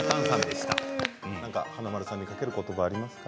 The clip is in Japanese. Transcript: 華丸さんにかけることばはありますか？